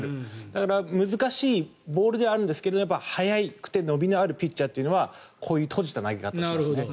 だから難しいボールではあるんですが速くて伸びのあるピッチャーというのはこういう閉じた投げ方をしていますね。